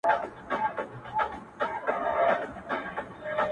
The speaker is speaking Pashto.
څنګه یو له بله بېل سو ته لمبه زه پروانه یم!